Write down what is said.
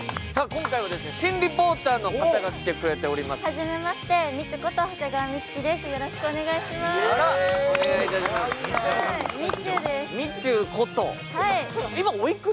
今回は新リポーターの方が来てくれています。